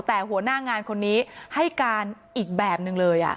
แต่หัวหน้างานคนนี้ให้การอีกแบบนึงเลย